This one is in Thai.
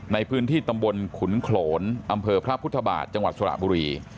ในพื้นที่ตำบลขุนโขลนอำเภอพระพุทธบาทจังหวัดสระบุรี